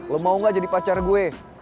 lo mau gak jadi pacar gue